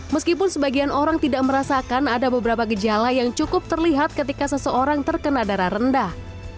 meskipun sebagian orang tidak merasakan ada beberapa gejala yang cukup terlihat ketika seseorang terkena darah rendah